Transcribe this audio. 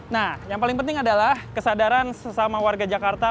nah yang paling penting adalah kesadaran sesama warga jakarta